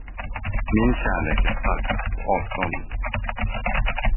Min kärlek är starkast på avstånd.